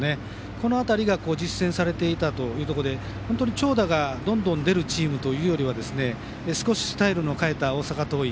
この辺りが実践されていたということで長打がどんどん出るチームというより少しスタイルを変えた大阪桐蔭。